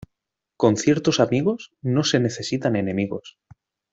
Con ciertos amigos, no se necesitan enemigos.